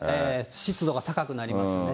湿度が高くなりますのでね。